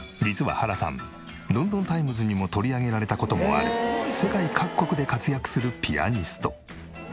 実は原さん『ロンドン・タイムズ』にも取り上げられた事もある世界各国で活躍するピアニスト。